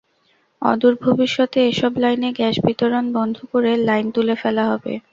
অদূর ভবিষ্যতে এসব লাইনে গ্যাস বিতরণ বন্ধ করে লাইন তুলে ফেলা হবে।